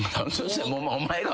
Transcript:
お前が。